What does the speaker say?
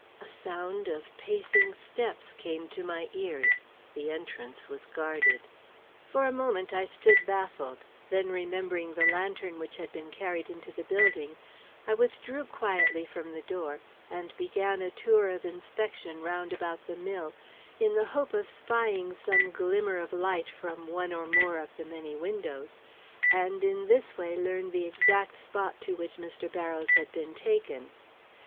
A sound of pacing steps came to my ears. The entrance was guarded. "For a moment I stood baffled, then remembering the lantern which had been carried into the building, I withdrew quietly from the door, and began a tour of inspection round about the mill in the hope of spying some glimmer of light from one or more of the many windows, and in this way learn the exact spot to which Mr. Barrows had been taken.